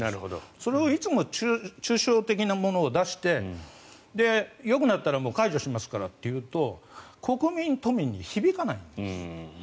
それをいつも抽象的なものを出してよくなったら解除しますからと言うと国民、都民に響かないんです。